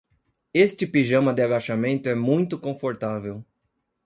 Este pijama de agachamento é muito confortável.